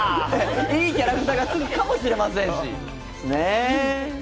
いいキャラクターがつくかもしれませんし。